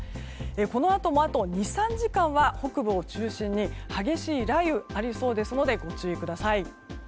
このあとも、あと２３時間は北部を中心に激しい雷雨ありそうですのでご注意ください。